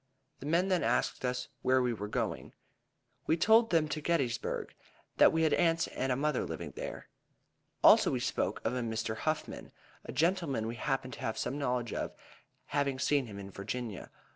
The men then asked us where we were, going. We told them to Gettysburg, that we had aunts and a mother there. Also we spoke of a Mr. Houghman, a gentleman we happened to have some knowledge of, having seen him in Virginia.